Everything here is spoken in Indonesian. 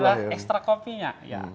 kita minum ekstrak kopinya